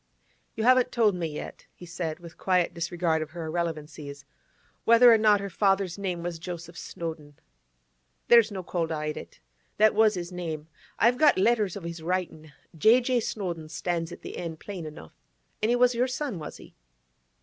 'You haven't told me yet,' he said, with quiet disregard of her irrelevancies, 'whether or not her father's name was Joseph Snowdon.' 'There's no call to hide it. That was his name. I've got letters of his writin'. "J. J. Snowdon" stands at the end, plain enough. And he was your son, was he?